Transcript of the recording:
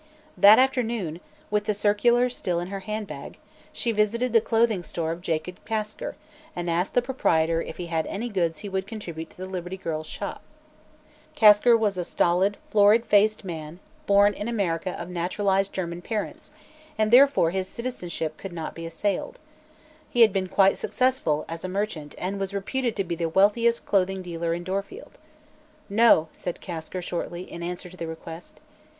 That afternoon, with the circular still in her handbag, she visited the clothing store of Jacob Kasker and asked the proprietor if he had any goods he would contribute to the Liberty Girls' Shop. Kasker was a stolid, florid faced man, born in America of naturalized German parents, and therefore his citizenship could not be assailed. He had been quite successful as a merchant and was reputed to be the wealthiest clothing dealer in Dorfield. "No," said Kasker, shortly, in answer to the request.